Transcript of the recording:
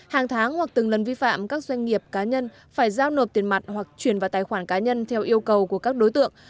hàng tháng hoặc từng lần vi phạm các doanh nghiệp cá nhân phải giao nộp tiền mặt hoặc chuyển vào tài khoản cá nhân theo yêu cầu của các đối tượng